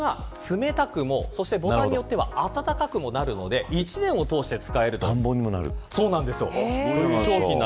ここが冷たくもボタンによっては暖かくもなるので一年を通して使えると。